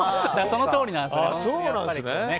そのとおりなんですよね。